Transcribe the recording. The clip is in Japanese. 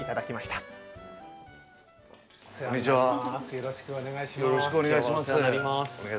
よろしくお願いします。